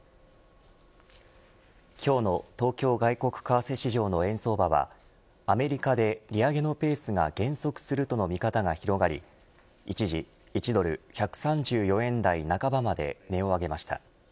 今日の東京外国為替市場の円相場はアメリカで利上げのペースが減速するとの見方が広がり一時１ドル１３４円台半ばまで値を上げました。